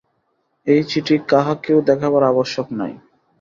এই চিঠি কাহাকেও দেখাবার আবশ্যক নাই।